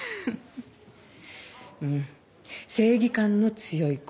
うん正義感の強い子。